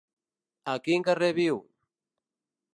A quin carrer viu?